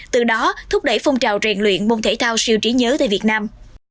từ đó thúc đẩy phong trào rèn luyện môn thể thao siêu trí nhớ tại việt nam